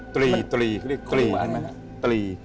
ตรีตรี